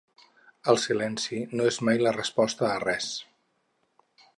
El silenci no és mai la resposta a res.